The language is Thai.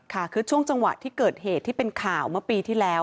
ค่ะคือช่วงจังหวะที่เกิดเหตุที่เป็นข่าวเมื่อปีที่แล้ว